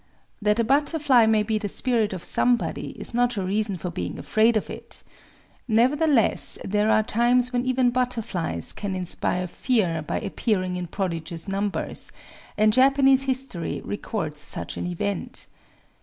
That a butterfly may be the spirit of somebody is not a reason for being afraid of it. Nevertheless there are times when even butterflies can inspire fear by appearing in prodigious numbers; and Japanese history records such an event.